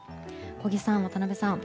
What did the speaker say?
小木さん、渡辺さん